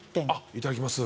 いただきます